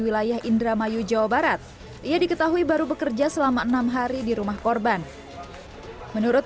wilayah indramayu jawa barat ia diketahui baru bekerja selama enam hari di rumah korban menurut